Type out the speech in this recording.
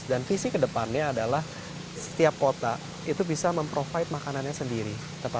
visi kedepannya adalah setiap kota itu bisa memprovide makanannya sendiri